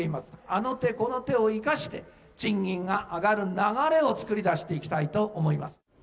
あの手この手を生かして、賃金が上がる流れを作り出していきたいと思います。